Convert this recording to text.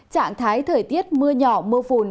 trạng thái thời tiết mưa nhỏ mưa phùn